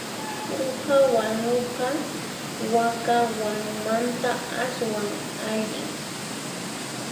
Uha wanuqa waka wanumanta aswan allin.